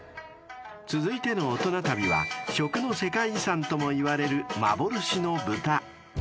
［続いてのオトナ旅は食の世界遺産ともいわれる幻の豚］